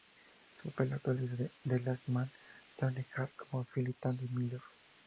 Su papel actual es en "The Last Man On Earth" como Phil "Tandy" Miller.